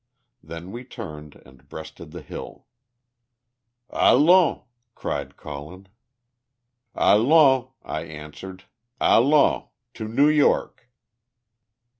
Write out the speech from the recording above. Then we turned and breasted the hill. "Allons!" cried Colin. "Allons!" I answered. "Allons! To New York!"